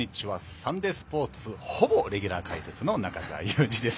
「サンデースポーツ」ほぼレギュラー解説の中澤佑二です。